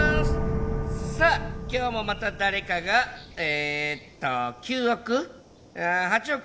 さあ今日もまた誰かがえーっと９億？